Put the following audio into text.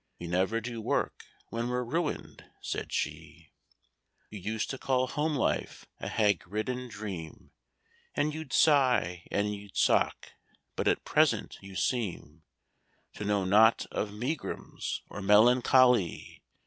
— "We never do work when we're ruined," said she. —"You used to call home life a hag ridden dream, And you'd sigh, and you'd sock; but at present you seem To know not of megrims or melancho ly!"